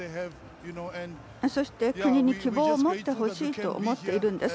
そして、国に希望を持ってほしいと思っているんです。